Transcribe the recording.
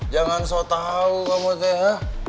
jangan sok tau kamu itu ya